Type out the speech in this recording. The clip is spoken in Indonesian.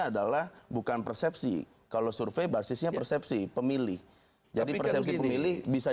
adalah bukan persepsi kalau survei basisnya persepsi pemilih jadi persepsi pemilih bisa